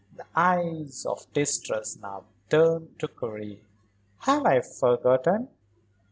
the eyes of distress now turned to Karen. "Have I forgotten?